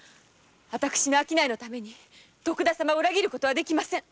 商いのために徳田様を裏切る事はできません。